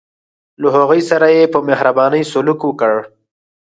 له هغوی سره یې په مهربانۍ سلوک وکړ.